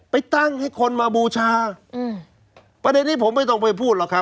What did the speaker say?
ไปตั้งให้คนมาบูชาอืมประเด็นนี้ผมไม่ต้องไปพูดหรอกครับ